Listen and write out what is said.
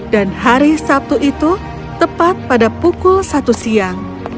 dan hari sabtu itu tepat pada pukul satu siang